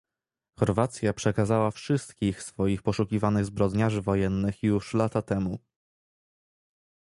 Chorwacja przekazała wszystkich swoich poszukiwanych zbrodniarzy wojennych już lata temu